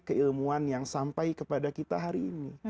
keilmuan yang sampai kepada kita hari ini